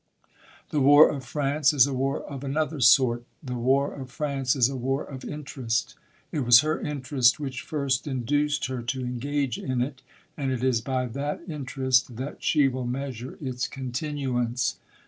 The war of France is a war of another sort ; the war ©f France is a war of interest : i^ was her interest which first induced her to engage in it, and it is by that inter ¥2 est. 174 THE COLUMBIAN ORATOR. est that she will measure its continuance.